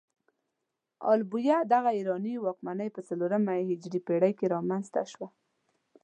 ال بویه دغه ایراني واکمنۍ په څلورمه هجري پيړۍ کې رامنځته شوه.